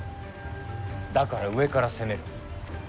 だから、上から攻める。